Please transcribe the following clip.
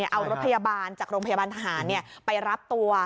เอารถพยาบาลจากโรงพยาบาลทหารไปรับตัว